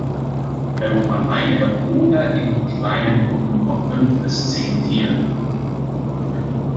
Er ruht alleine oder in kleinen Gruppen von fünf bis zehn Tieren.